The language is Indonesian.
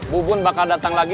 bu bun bakal datang lagi